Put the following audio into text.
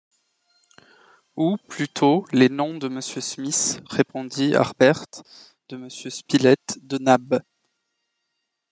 Ou plutôt les noms de Monsieur Smith, répondit Harbert, de Monsieur Spilett, de Nab !..